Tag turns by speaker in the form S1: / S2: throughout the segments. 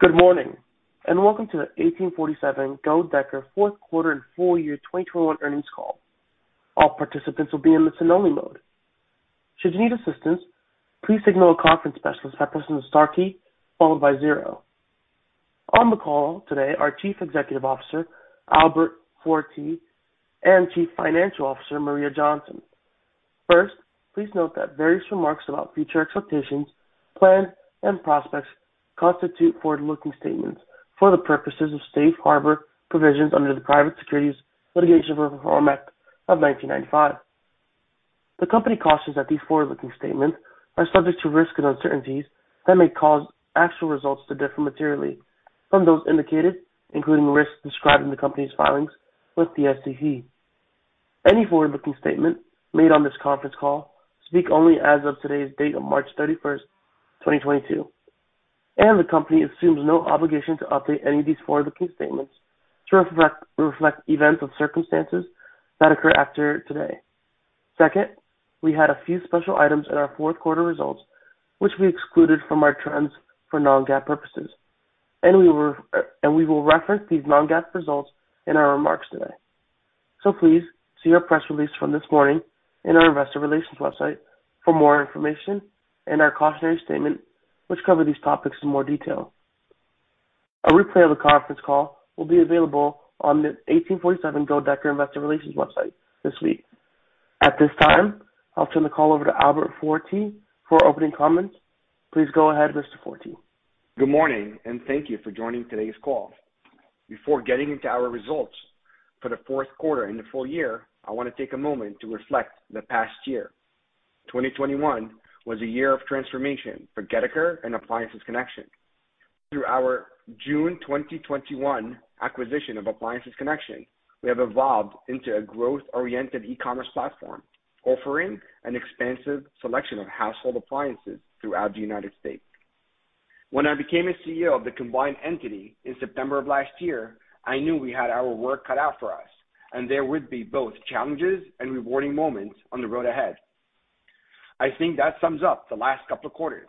S1: Good morning, and welcome to the 1847 Goedeker fourth quarter and full year 2021 earnings call. All participants will be in listen only mode. Should you need assistance, please signal a conference specialist by pressing the star key followed by zero. On the call today, our Chief Executive Officer, Albert Fouerti, and Chief Financial Officer, Maria Johnson. First, please note that various remarks about future expectations, plans and prospects constitute forward-looking statements for the purposes of safe harbor provisions under the Private Securities Litigation Reform Act of 1995. The company cautions that these forward-looking statements are subject to risks and uncertainties that may cause actual results to differ materially from those indicated, including risks described in the company's filings with the SEC. Any forward-looking statement made on this conference call speaks only as of today's date of March 31, 2022, and the company assumes no obligation to update any of these forward-looking statements to reflect events or circumstances that occur after today. Second, we had a few special items in our fourth quarter results, which we excluded from our trends for non-GAAP purposes. We will reference these non-GAAP results in our remarks today. Please see our press release from this morning on our investor relations website for more information and our cautionary statement which covers these topics in more detail. A replay of the conference call will be available on the 1847 Goedeker investor relations website this week. At this time, I'll turn the call over to Albert Fouerti for opening comments. Please go ahead, Mr. Fouerti.
S2: Good morning, and thank you for joining today's call. Before getting into our results for the fourth quarter and the full year, I wanna take a moment to reflect on the past year. 2021 was a year of transformation for Goedeker and Appliances Connection. Through our June 2021 acquisition of Appliances Connection, we have evolved into a growth-oriented e-commerce platform, offering an expansive selection of household appliances throughout the United States. When I became a CEO of the combined entity in September of last year, I knew we had our work cut out for us and there would be both challenges and rewarding moments on the road ahead. I think that sums up the last couple of quarters.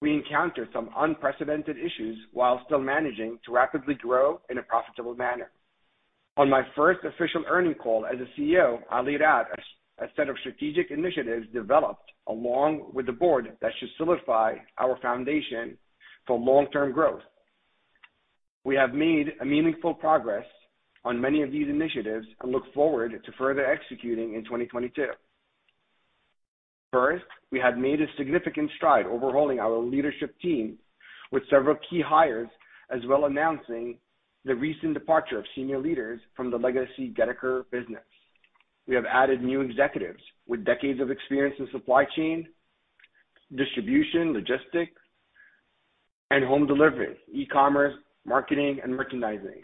S2: We encountered some unprecedented issues while still managing to rapidly grow in a profitable manner. On my first official earnings call as a CEO, I laid out a set of strategic initiatives developed along with the board that should solidify our foundation for long-term growth. We have made a meaningful progress on many of these initiatives and look forward to further executing in 2022. First, we have made a significant stride overhauling our leadership team with several key hires, as well as announcing the recent departure of senior leaders from the legacy Goedeker business. We have added new executives with decades of experience in supply chain, distribution, logistics and home delivery, e-commerce, marketing and merchandising.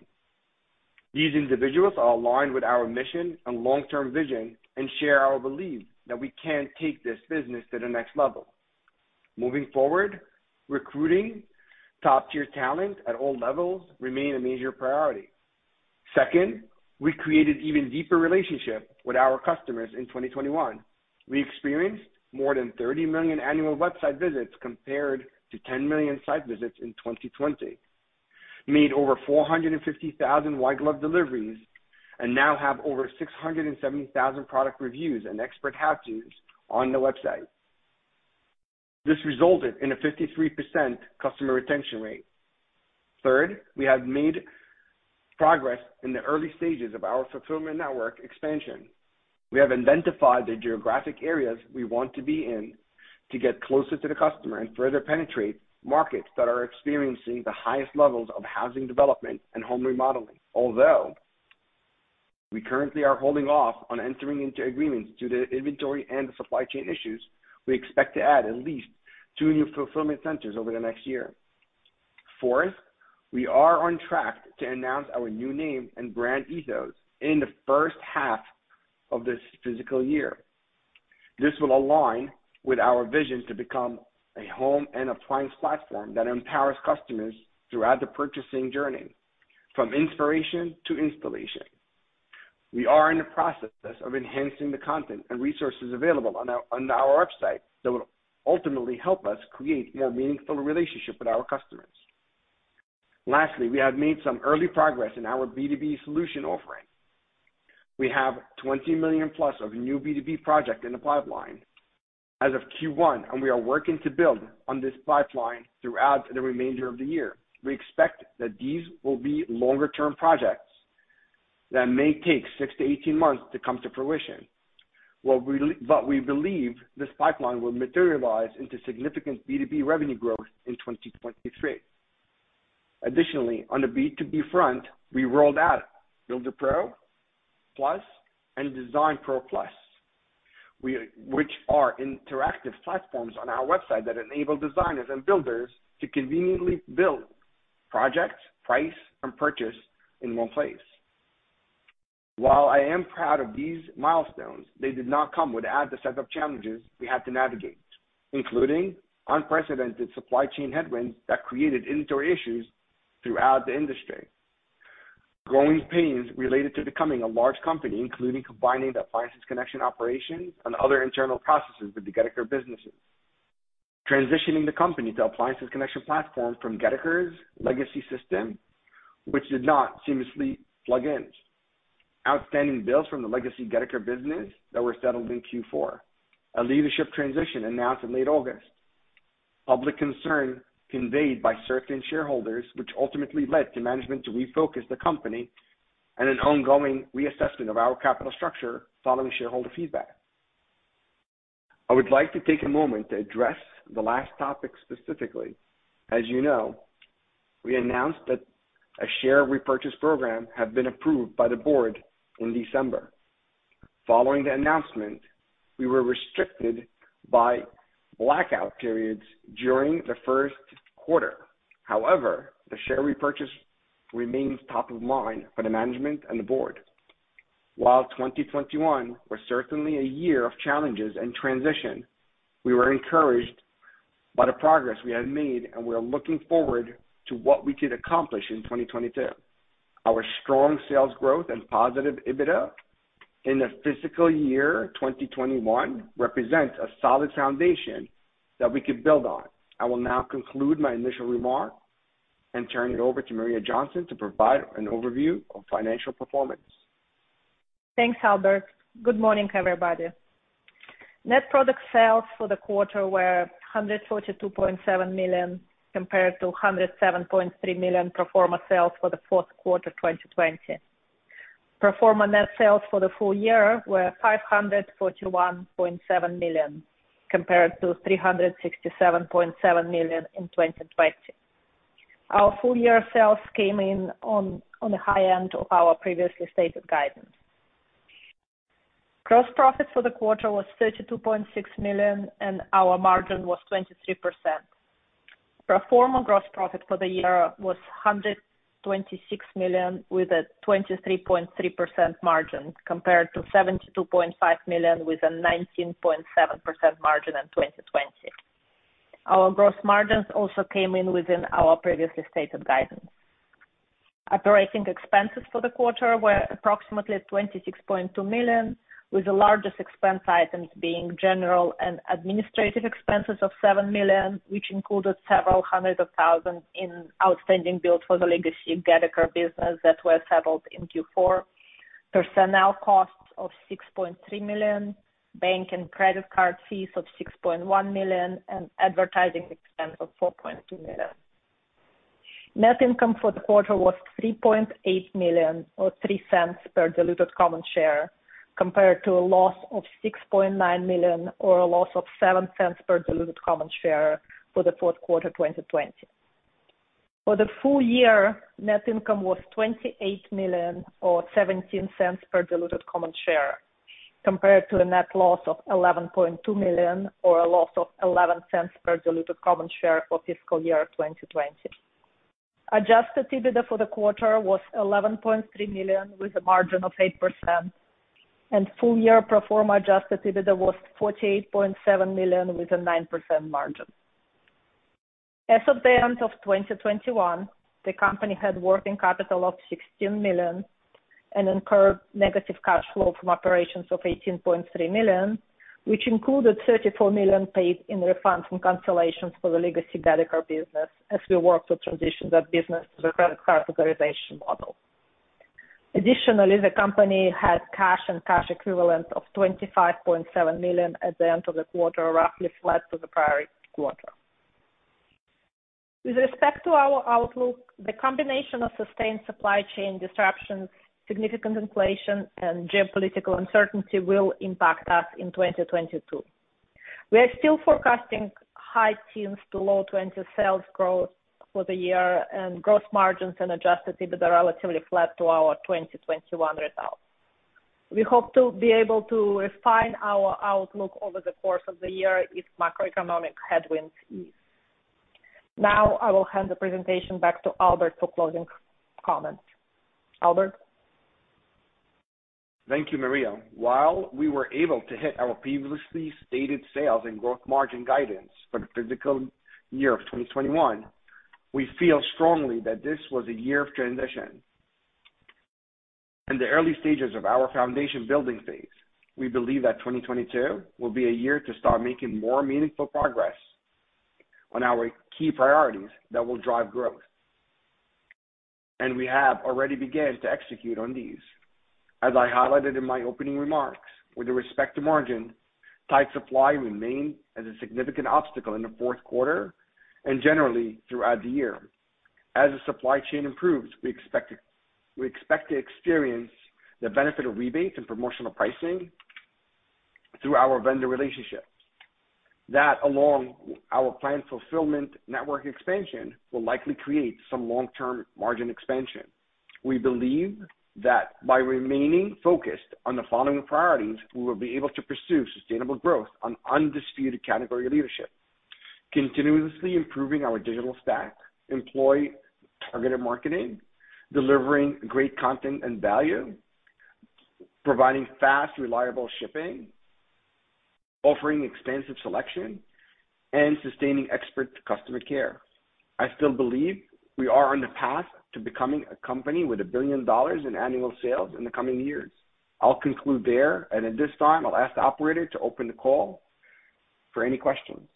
S2: These individuals are aligned with our mission and long-term vision and share our belief that we can take this business to the next level. Moving forward, recruiting top-tier talent at all levels remains a major priority. Second, we created even deeper relationship with our customers in 2021. We experienced more than 30 million annual website visits compared to 10 million site visits in 2020, made over 450,000 white glove deliveries, and now have over 670,000 product reviews and expert how-tos on the website. This resulted in a 53% customer retention rate. Third, we have made progress in the early stages of our fulfillment network expansion. We have identified the geographic areas we want to be in to get closer to the customer and further penetrate markets that are experiencing the highest levels of housing development and home remodeling. Although we currently are holding off on entering into agreements due to inventory and supply chain issues, we expect to add at least two new fulfillment centers over the next year. Fourth, we are on track to announce our new name and brand ethos in the first half of this fiscal year. This will align with our vision to become a home and appliance platform that empowers customers throughout the purchasing journey, from inspiration to installation. We are in the process of enhancing the content and resources available on our website that will ultimately help us create more meaningful relationships with our customers. Lastly, we have made some early progress in our B2B solution offering. We have $20 million-plus of new B2B project in the pipeline as of Q1, and we are working to build on this pipeline throughout the remainder of the year. We expect that these will be longer term projects that may take six to 18 months to come to fruition. We believe this pipeline will materialize into significant B2B revenue growth in 2023. Additionally, on the B2B front, we rolled out Builder Pro Plus and Design Pro Plus, which are interactive platforms on our website that enable designers and builders to conveniently build projects, price and purchase in one place. While I am proud of these milestones, they did not come without the set of challenges we had to navigate, including unprecedented supply chain headwinds that created inventory issues throughout the industry. Growing pains related to becoming a large company, including combining the Appliances Connection operations and other internal processes with the Goedeker businesses. Transitioning the company to Appliances Connection platform from Goedeker's legacy system, which did not seamlessly plug in. Outstanding bills from the legacy Goedeker business that were settled in Q4. A leadership transition announced in late August. Public concern conveyed by certain shareholders, which ultimately led management to refocus the company on an ongoing reassessment of our capital structure following shareholder feedback. I would like to take a moment to address the last topic specifically. As you know, we announced that a share repurchase program had been approved by the board in December. Following the announcement, we were restricted by blackout periods during the first quarter. However, the share repurchase remains top of mind for the management and the board. While 2021 was certainly a year of challenges and transition, we were encouraged by the progress we have made, and we are looking forward to what we could accomplish in 2022. Our strong sales growth and positive EBITDA in the fiscal year 2021 represents a solid foundation that we could build on. I will now conclude my initial remark and turn it over to Maria Johnson to provide an overview of financial performance.
S3: Thanks, Albert. Good morning, everybody. Net product sales for the quarter were $142.7 million, compared to $107.3 million pro forma sales for the fourth quarter 2020. Pro forma net sales for the full year were $541.7 million, compared to $367.7 million in 2020. Our full year sales came in on the high end of our previously stated guidance. Gross profit for the quarter was $32.6 million, and our margin was 23%. Pro forma gross profit for the year was $126 million, with a 23.3% margin, compared to $72.5 million, with a 19.7% margin in 2020. Our gross margins also came in within our previously stated guidance. Operating expenses for the quarter were approximately $26.2 million, with the largest expense items being general and administrative expenses of $7 million, which included several hundred thousand in outstanding bills for the legacy Goedeker business that were settled in Q4. Personnel costs of $6.3 million, bank and credit card fees of $6.1 million, and advertising expense of $4.2 million. Net income for the quarter was $3.8 million or $0.03 per diluted common share, compared to a loss of $6.9 million, or a loss of $0.07 per diluted common share for the fourth quarter 2020. For the full year, net income was $28 million or $0.17 per diluted common share, compared to a net loss of $11.2 million, or a loss of $0.11 per diluted common share for fiscal year 2020. Adjusted EBITDA for the quarter was $11.3 million, with a margin of 8%, and full year pro forma adjusted EBITDA was $48.7 million with a 9% margin. As of the end of 2021, the company had working capital of $16 million and incurred negative cash flow from operations of $18.3 million, which included $34 million paid in refunds and cancellations for the legacy Goedeker business as we work to transition that business to the credit card authorization model. Additionally, the company had cash and cash equivalents of $25.7 million at the end of the quarter, roughly flat to the prior quarter. With respect to our outlook, the combination of sustained supply chain disruptions, significant inflation and geopolitical uncertainty will impact us in 2022. We are still forecasting high-teens to low-20% sales growth for the year and gross margins and adjusted EBITDA relatively flat to our 2021 results. We hope to be able to refine our outlook over the course of the year if macroeconomic headwinds ease. Now I will hand the presentation back to Albert for closing comments. Albert.
S2: Thank you, Maria. While we were able to hit our previously stated sales and growth margin guidance for the fiscal year of 2021, we feel strongly that this was a year of transition. In the early stages of our foundation building phase, we believe that 2022 will be a year to start making more meaningful progress on our key priorities that will drive growth. We have already began to execute on these. As I highlighted in my opening remarks, with respect to margin, tight supply remained as a significant obstacle in the fourth quarter and generally throughout the year. As the supply chain improves, we expect to experience the benefit of rebates and promotional pricing through our vendor relationships. That, along our planned fulfillment network expansion, will likely create some long-term margin expansion. We believe that by remaining focused on the following priorities, we will be able to pursue sustainable growth and undisputed category leadership, continuously improving our digital stack, employ targeted marketing, delivering great content and value, providing fast, reliable shipping, offering expansive selection and sustaining expert customer care. I still believe we are on the path to becoming a company with $1 billion in annual sales in the coming years. I'll conclude there, and at this time, I'll ask the operator to open the call for any questions.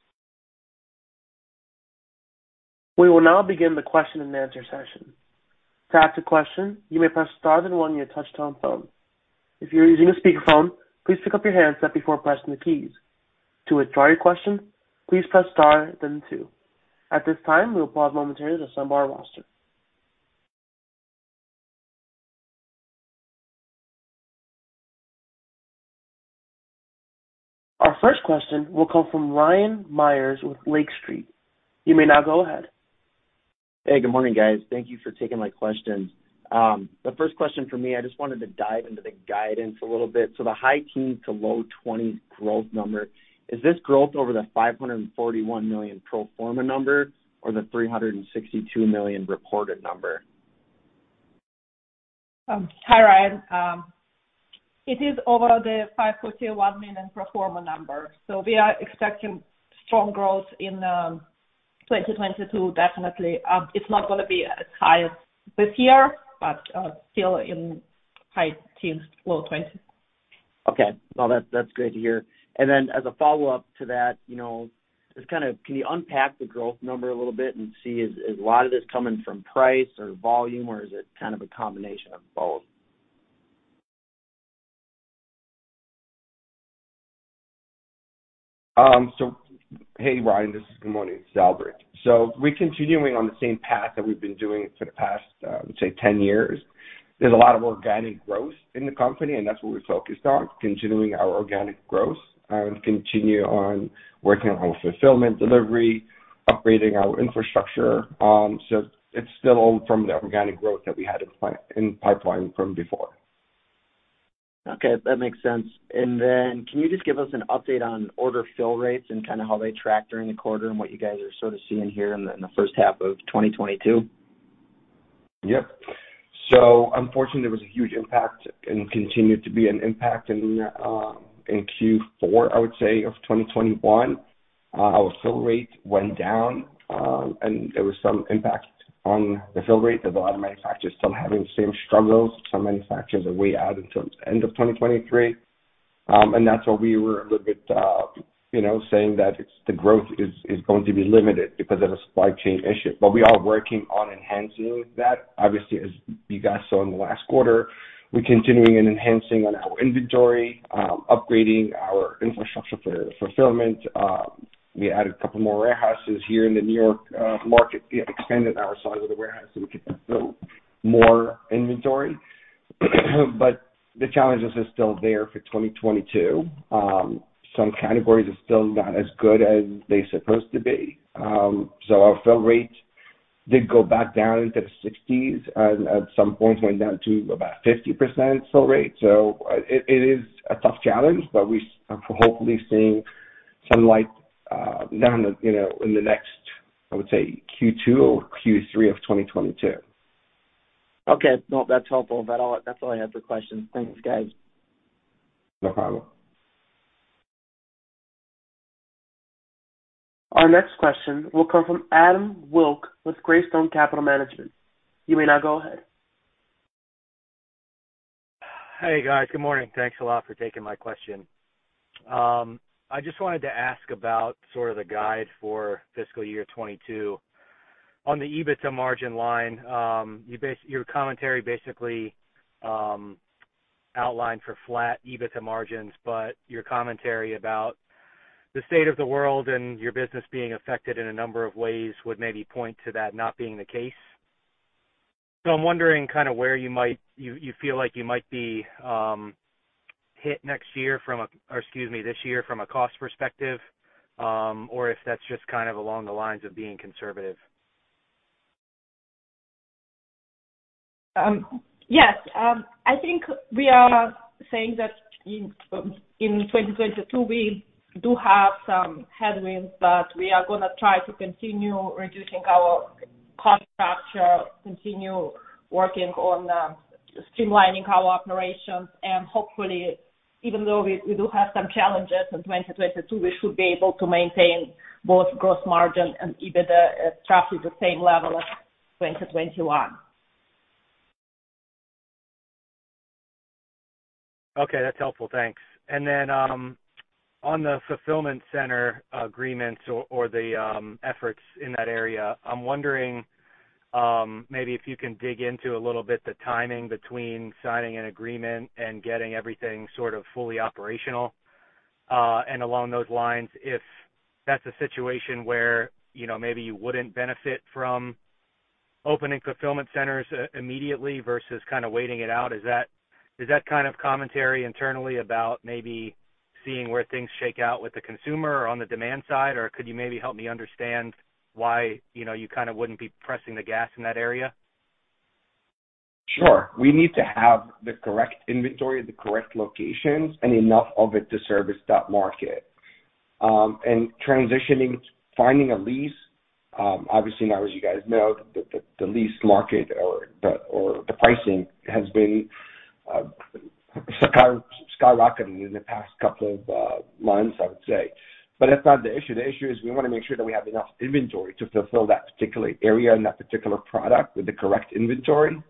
S1: We will now begin the question and answer session. To ask a question, you may press star then one on your touchtone phone. If you're using a speakerphone, please pick up your handset before pressing the keys. To withdraw your question, please press star then two. At this time, we will pause momentarily to assemble our roster. Our first question will come from Ryan Myers with Lake Street. You may now go ahead.
S4: Hey, good morning, guys. Thank you for taking my questions. The first question for me, I just wanted to dive into the guidance a little bit. The high-teens to low-20s% growth number, is this growth over the $541 million pro forma number or the $362 million reported number?
S3: Hi, Ryan. It is over the $541 million pro forma number. We are expecting strong growth in 2022, definitely. It's not gonna be as high as this year, but still in high teens%-low twenties%.
S4: Okay. Well, that's great to hear. As a follow-up to that, you know, just kinda, can you unpack the growth number a little bit and see, is a lot of this coming from price or volume, or is it kind of a combination of both?
S2: Hey, Ryan, good morning. It's Albert. We're continuing on the same path that we've been doing for the past, I would say 10 years. There's a lot of organic growth in the company, and that's what we're focused on, continuing our organic growth and continue on working on our fulfillment delivery, upgrading our infrastructure. It's still all from the organic growth that we had in pipeline from before.
S4: Okay, that makes sense. Can you just give us an update on order fill rates and kinda how they track during the quarter and what you guys are sorta seeing here in the first half of 2022?
S2: Yep. Unfortunately, there was a huge impact and continued to be an impact in Q4, I would say, of 2021. Our fill rate went down, and there was some impact on the fill rate because a lot of manufacturers still having the same struggles. Some manufacturers that we added till end of 2023. That's why we were a little bit, you know, saying that the growth is going to be limited because of a supply chain issue. We are working on enhancing that. Obviously, as you guys saw in the last quarter, we're continuing and enhancing on our inventory, upgrading our infrastructure for fulfillment. We added a couple more warehouses here in the New York market. We have expanded our size of the warehouse so we can fulfill more inventory. The challenges are still there for 2022. Some categories are still not as good as they're supposed to be. Our fill rate did go back down into the 60s and at some points went down to about 50% fill rate. It is a tough challenge, but we hopefully seeing some light down the, you know, in the next, I would say, Q2 or Q3 of 2022.
S4: Okay. No, that's helpful. That's all I had for questions. Thanks, guys.
S2: No problem.
S1: Our next question will come from Adam Wilk with Greystone Capital Management. You may now go ahead.
S5: Hey, guys. Good morning. Thanks a lot for taking my question. I just wanted to ask about sort of the guide for fiscal year 2022. On the EBITDA margin line, your commentary basically outlined for flat EBITDA margins, but your commentary about the state of the world and your business being affected in a number of ways would maybe point to that not being the case. I'm wondering kind of where you feel like you might be hit next year from a cost perspective, or excuse me, this year from a cost perspective, or if that's just kind of along the lines of being conservative.
S3: Yes. I think we are saying that in 2022, we do have some headwinds, but we are gonna try to continue reducing our cost structure, continue working on streamlining our operations. Hopefully, even though we do have some challenges in 2022, we should be able to maintain both gross margin and EBITDA at roughly the same level as 2021.
S5: Okay. That's helpful. Thanks. On the fulfillment center agreements or the efforts in that area, I'm wondering, maybe if you can dig into a little bit the timing between signing an agreement and getting everything sort of fully operational. Along those lines, if that's a situation where, you know, maybe you wouldn't benefit from opening fulfillment centers immediately versus kinda waiting it out. Is that kind of commentary internally about maybe seeing where things shake out with the consumer or on the demand side? Could you maybe help me understand why, you know, you kinda wouldn't be pressing the gas in that area?
S2: Sure. We need to have the correct inventory at the correct locations and enough of it to service that market. Obviously now, as you guys know, the lease market or the pricing has been skyrocketing in the past couple of months, I would say. That's not the issue. The issue is we wanna make sure that we have enough inventory to fulfill that particular area and that particular product with the correct inventory.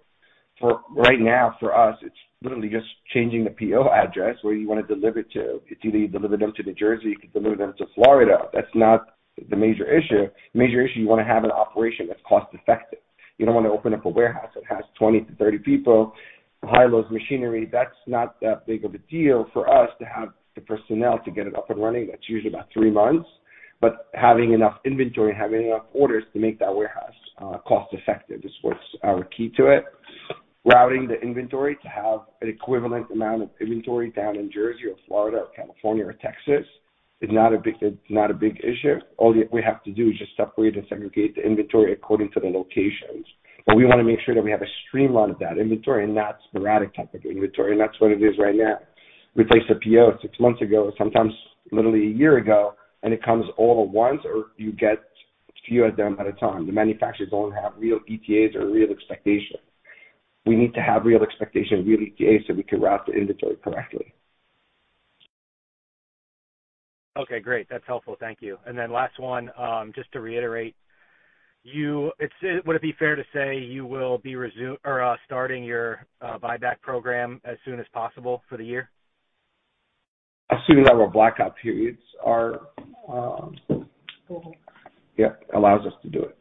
S2: For right now, for us, it's literally just changing the PO address where you wanna deliver it to. If you need to deliver them to New Jersey, you can deliver them to Florida. That's not the major issue. The major issue is you wanna have an operation that's cost effective. You don't wanna open up a warehouse that has 20-30 people, high loads machinery. That's not that big of a deal for us to have the personnel to get it up and running. That's usually about three months. Having enough inventory, having enough orders to make that warehouse cost effective is what's our key to it. Routing the inventory to have an equivalent amount of inventory down in Jersey or Florida or California or Texas is not a big, it's not a big issue. All we have to do is just separate and segregate the inventory according to the locations, but we wanna make sure that we have a streamline of that inventory and not sporadic type of inventory. That's what it is right now. We place a PO six months ago, sometimes literally a year ago, and it comes all at once or you get a few of them at a time. The manufacturers don't have real ETAs or real expectations. We need to have real expectations, real ETAs, so we can route the inventory correctly.
S5: Okay, great. That's helpful. Thank you. Last one, just to reiterate, would it be fair to say you will be starting your buyback program as soon as possible for the year?
S2: Assuming that our blackout periods allows us to do it.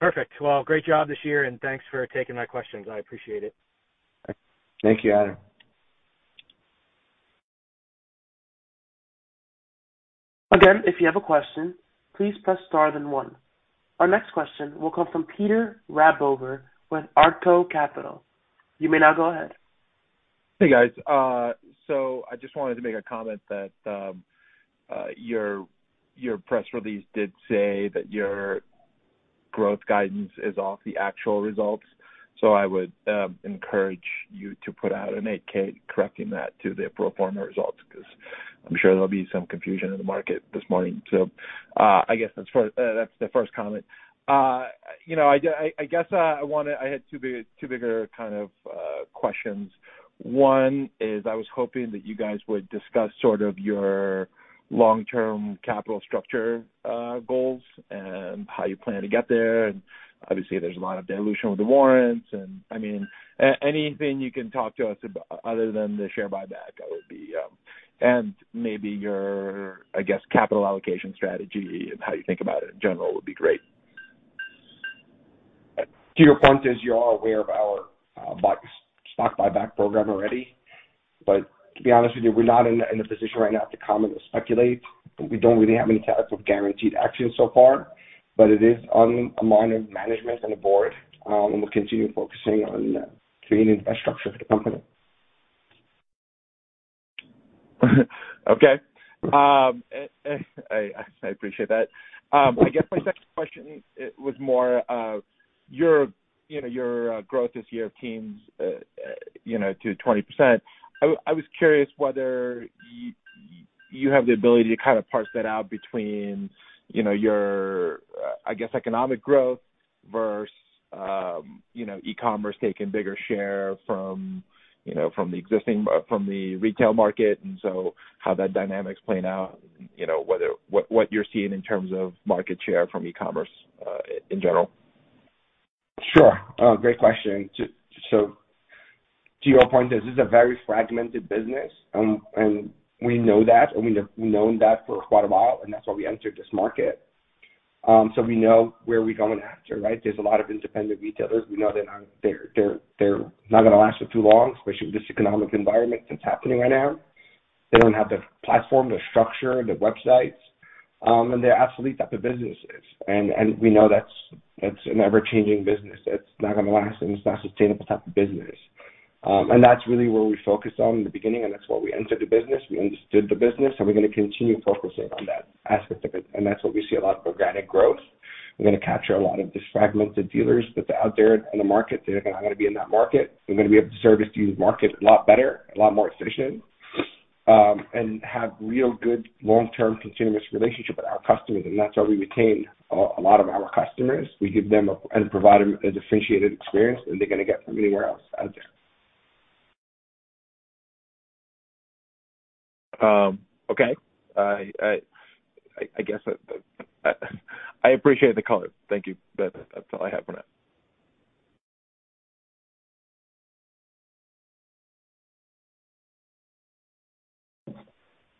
S5: Perfect. Well, great job this year, and thanks for taking my questions. I appreciate it.
S2: Thank you, Adam.
S1: Again, if you have a question, please press star then one. Our next question will come from Peter Rabover with Artko Capital. You may now go ahead.
S6: Hey, guys. I just wanted to make a comment that your press release did say that your growth guidance is off the actual results. I would encourage you to put out an 8-K correcting that to the pro forma results, because I'm sure there'll be some confusion in the market this morning. I guess that's the first comment. You know, I had two bigger kind of questions. One is I was hoping that you guys would discuss sort of your long-term capital structure goals and how you plan to get there. Obviously there's a lot of dilution with the warrants and I mean anything you can talk to us about other than the share buyback that would be. Maybe your, I guess, capital allocation strategy and how you think about it in general would be great.
S2: To your point, you're all aware of our stock buyback program already. To be honest with you, we're not in a position right now to comment or speculate. We don't really have any type of guaranteed actions so far, but it is on the mind of management and the board, and we'll continue focusing on creating infrastructure for the company.
S6: Okay. I appreciate that. I guess my second question it was more of your, you know, your growth this year to 20%. I was curious whether you have the ability to kind of parse that out between, you know, your, I guess, economic growth versus, you know, e-commerce taking bigger share from, you know, from the existing from the retail market. How that dynamics play out, you know, whether what you're seeing in terms of market share from e-commerce in general?
S2: Sure. Great question. So to your point, this is a very fragmented business, and we know that, and we've known that for quite a while, and that's why we entered this market. So we know where we're going after, right? There's a lot of independent retailers. We know they're not gonna last for too long, especially with this economic environment that's happening right now. They don't have the platform, the structure, the websites, and they're obsolete type of businesses. We know that's an ever-changing business. That's not gonna last, and it's not sustainable type of business. That's really where we focused on in the beginning, and that's why we entered the business. We understood the business, and we're gonna continue focusing on that aspect of it, and that's where we see a lot of organic growth. We're gonna capture a lot of these fragmented dealers that are out there in the market. They're not gonna be in that market. We're gonna be able to service these markets a lot better, a lot more efficient, and have real good long-term continuous relationship with our customers. That's why we retain a lot of our customers. We give them a, and provide them a differentiated experience than they're gonna get from anywhere else out there.
S6: Okay. I guess I appreciate the color. Thank you. That's all I have for now.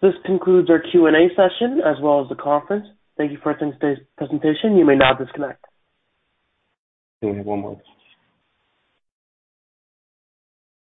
S1: This concludes our Q&A session as well as the conference. Thank you for attending today's presentation. You may now disconnect.
S2: We have one more.